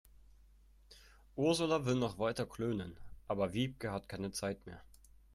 Ursula will noch weiter klönen, aber Wiebke hat keine Zeit mehr.